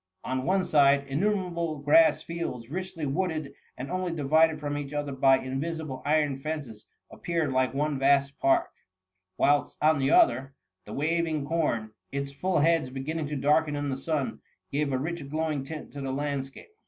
On one side, innumerable grass fields, richly wood ed, and only divided from each other by invi sible iron fences, appeared like one vast park ; whilst, on the other, the waving com, its full heads beginning to darken in the sun, gave a rich glowing tint to the landscape.